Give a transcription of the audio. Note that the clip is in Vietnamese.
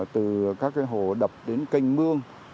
từ các hồ đập đến cành mương